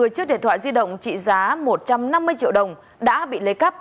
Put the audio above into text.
một mươi chiếc điện thoại di động trị giá một trăm năm mươi triệu đồng đã bị lấy cắp